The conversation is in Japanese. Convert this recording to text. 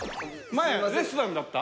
前レストランだった？